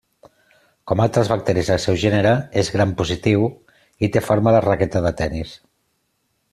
Com altres bacteris del seu gènere és gram-positiu i té forma de raqueta de tenis.